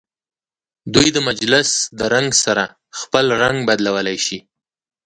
دوی د مجلس د رنګ سره خپل رنګ بدلولی شي.